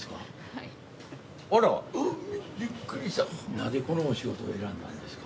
◆なんでこのお仕事を選んだんですか。